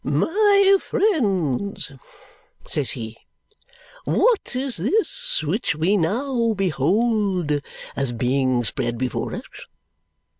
"My friends," says he, "what is this which we now behold as being spread before us?